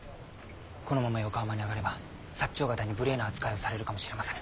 このまま横浜に上がれば長方に無礼な扱いをされるかもしれませぬ。